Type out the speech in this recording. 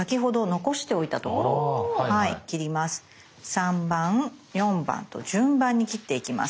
３番４番と順番に切っていきます。